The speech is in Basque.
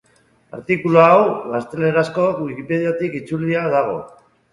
Artikulu hau Gaztelerazko Wikipediatik itzulia dago.